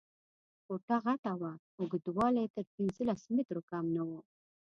کوټه غټه وه، اوږدوالی یې تر پنځلس مترو کم نه و.